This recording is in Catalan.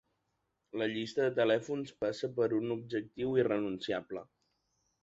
La llista de telèfons passa a ser un objectiu irrenunciable.